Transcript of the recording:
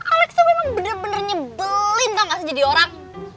alex tuh emang bener bener nyebelin tau gak sih jadi orang